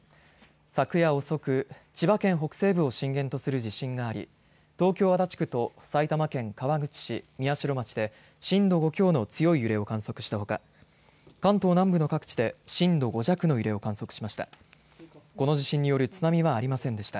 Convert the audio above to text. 昨夜遅く千葉県北西部を震源とする地震があり東京、足立区と埼玉県川口市宮代町で震度５強の強い揺れを観測したほか関東南部の各地で震度５弱の揺れを観測しました。